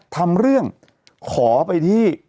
ทำเรื่องขอไปที่